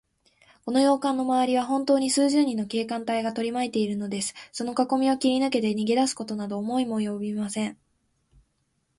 この洋館のまわりは、ほんとうに数十人の警官隊がとりまいているのです。そのかこみを切りぬけて、逃げだすことなど思いもおよびません。